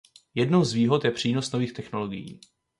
Jednou z výhod je přínos nových technologií.